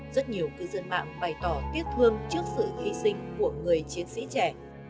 rất nhiều cư dân mạng bày tỏ tiếc thương trước sự hy sinh của người chiến sĩ trẻ